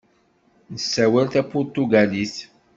Nessawal tapuṛtugalit.